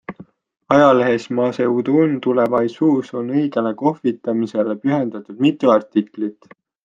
Ajalehes Maaseudun Tulevaisuus on õigele kohvitamisele pühendatud mitu artiklilt.